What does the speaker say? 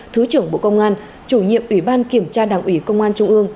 thứ trưởng bộ công an chủ nhiệm ủy ban kiểm tra đảng ủy công an trung ương